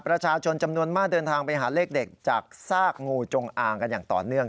ประชาชนจำนวนมากเดินทางไปหาเลขเด็ดจากซากงูจงอางกันอย่างต่อเนื่อง